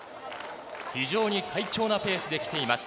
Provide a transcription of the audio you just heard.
非常に快調なペースで来ています。